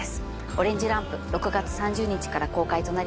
『オレンジ・ランプ』６月３０日から公開となります。